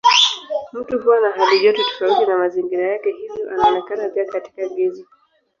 Mtu huwa na halijoto tofauti na mazingira yake hivyo anaonekana pia katika giza.